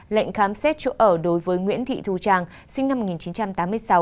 lệnh khám xét chỗ ở đối với nguyễn thị thu trang sinh năm một nghìn chín trăm tám mươi sáu